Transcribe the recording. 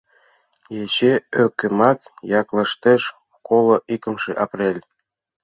Ече ӧкымак яклештеш...» «Коло икымше апрель.